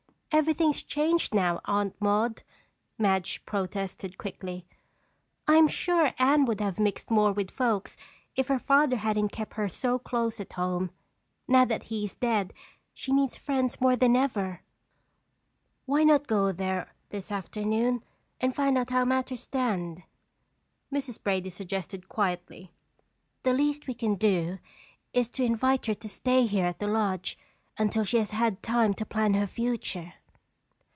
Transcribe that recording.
"Everything is changed now, Aunt Maude," Madge protested quickly. "I'm sure Anne would have mixed more with folks if her father hadn't kept her so close at home. Now that he is dead she needs friends more than ever." "Why not go over there this afternoon and find out how matters stand?" Mrs. Brady suggested quietly. "The least we can do is to invite her to stay here at the lodge until she has had time to plan her future."